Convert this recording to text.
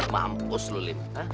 mampus lu lim